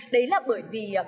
đấy là bởi vì